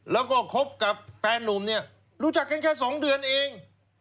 แล้วก็คบกับแฟนนุ่มเนี่ยรู้จักกันแค่๒เดือนเอง